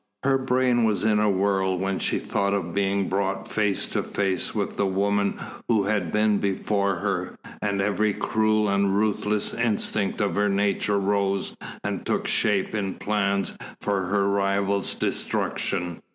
Her brain was in a whirl when she thought of being brought face to face with the woman who had been before her, and every cruel and ruthless instinct of her nature rose and took shape in plans for her rival's destruction.